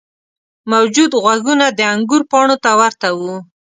موجود غوږونه د انګور پاڼو ته ورته وو.